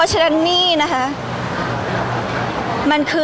พี่ตอบได้แค่นี้จริงค่ะ